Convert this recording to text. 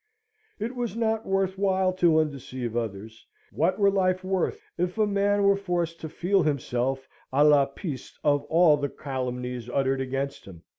It was not worth while to undeceive others; what were life worth, if a man were forced to feel himself a la piste of all the calumnies uttered against him?